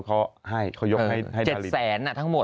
เขาให้เขายกให้ผลิต๗๐๐๐๐๐อ่ะทั้งหมด